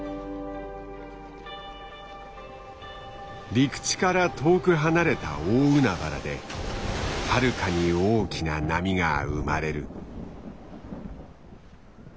陸地から遠く離れた大海原ではるかに大きな波が生まれる。